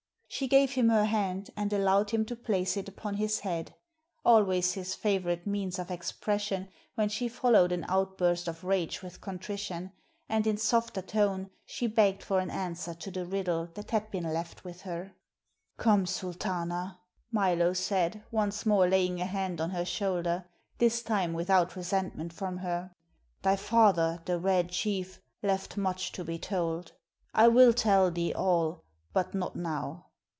She gave him her hand, and allowed him to place it upon his head, always his favorite means of expression when she followed an outburst of rage with contrition; and in softer tone she begged for an answer to the riddle that had been left with her. "Come, Sultana," Milo said, once more laying a hand on her shoulder, this time without resentment from her. "Thy father, the Red Chief, left much to be told; I will tell thee all, but not now.